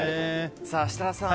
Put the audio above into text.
設楽さん